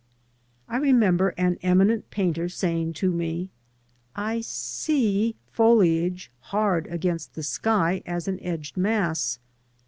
I remember an eminent painter saying to me, " I sg e foliage hard against the sky as an edged mass."